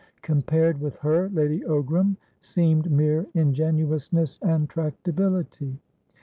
Compared with her, Lady Ogram seemed mere ingenuousness and tractability.